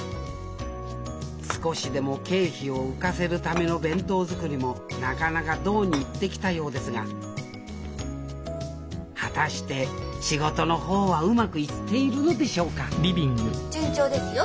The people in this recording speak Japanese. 少しでも経費を浮かせるための弁当作りもなかなか堂に入ってきたようですが果たして仕事の方はうまくいっているのでしょうか順調ですよ。